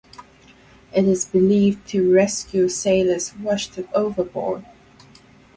It is believed to rescue sailors washed overboard.